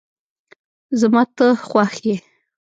زما ته خوښ یی